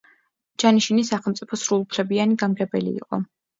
ჯანიშინი სახელმწიფოს სრულუფლებიანი გამგებელი იყო.